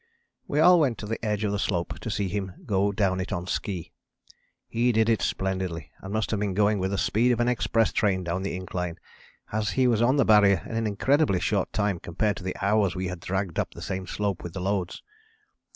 We all went to the edge of the slope to see him go down it on ski. He did it splendidly and must have been going with the speed of an express train down the incline, as he was on the Barrier in an incredibly short time compared to the hours we had dragged up the same slope with the loads.